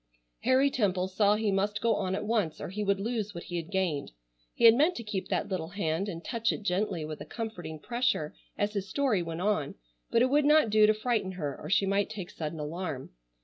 Harry Temple saw he must go on at once or he would lose what he had gained. He had meant to keep that little hand and touch it gently with a comforting pressure as his story went on, but it would not do to frighten her or she might take sudden alarm.